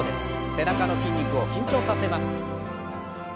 背中の筋肉を緊張させます。